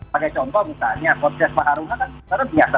pada contoh misalnya konses pak haruna kan luar biasa